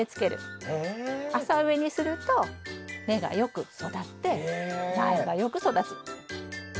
浅植えにすると根がよく育って苗がよく育つ。